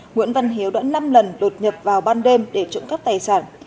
nguyễn văn hiếu đã năm lần đột nhập vào ban đêm để trộm cắp tài sản